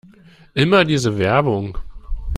Immer diese Werbung!